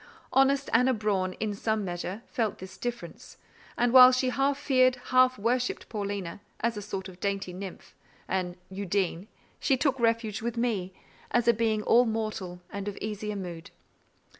Honest Anna Braun, in some measure, felt this difference; and while she half feared, half worshipped Paulina, as a sort of dainty nymph—an Undine—she took refuge with me, as a being all mortal, and of easier mood.